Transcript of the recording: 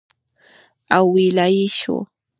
او ویلای شو،